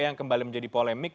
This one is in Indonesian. yang kembali menjadi polemik